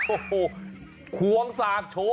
โอ้โหควงสากโชว์